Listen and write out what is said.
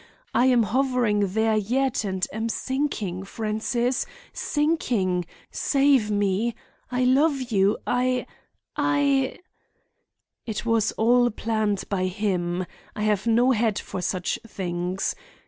I am hovering there yet and am sinking, Francis, sinking—Save me! I love you—I—I— "It was all planned by him—I have no head for such things.